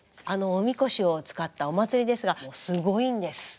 あのおみこしを使ったお祭りですがすごいんです。